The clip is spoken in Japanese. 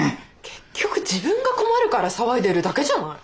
結局自分が困るから騒いでるだけじゃない。